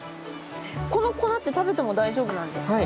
この粉って食べても大丈夫なんですか？